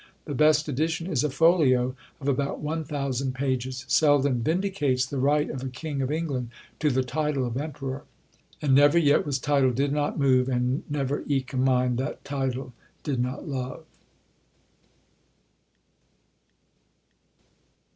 The best edition is a folio of about one thousand pages. Selden vindicates the right of a king of England to the title of emperor. "And never yet was TITLE did not move; And never eke a mind, that TITLE did not love."